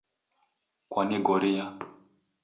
Kwanigoria